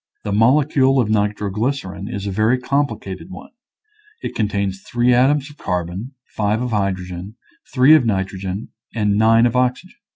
The molecule of nitroglycerin is a very complicated one; it contains three atoms of carbon, five of hydrogen, three of nitrogen, and nine of oxygen.